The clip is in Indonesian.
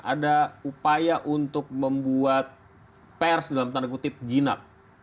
ada upaya untuk membuat pers dalam tanda kutip jinak